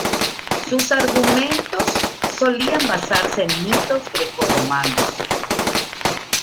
Sus argumentos solían basarse en mitos grecorromanos.